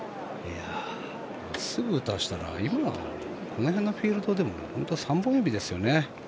打たせたらこの辺のフィールドでも３本指ですよね。